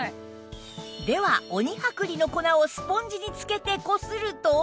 では鬼剥離の粉をスポンジに付けてこすると